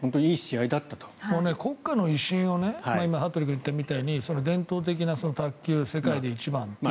国家の威信を今羽鳥君が言ったみたいに伝統的な卓球世界で一番という。